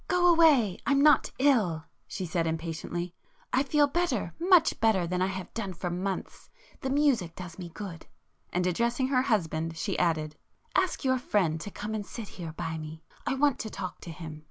"Go away,—I'm not ill,"—she said impatiently—"I feel better,—much better than I have done for months. The music does me good." And addressing her husband, she added—"Ask your friend to come and sit here by me,—I want to talk to him.